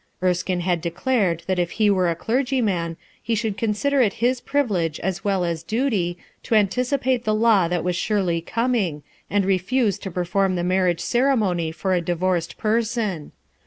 Erskine had declared that if he were a BUILT ON THE SAND 221 clergyman, he should consider it his priviWe as well as duty to anticipate the law that was surely coming and refuse to perform the mar riage ceremony for a divorced person.